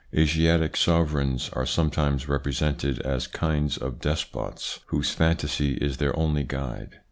Asiatic sovereigns are sometimes represented as kinds of despots whose fantasy is their only guide.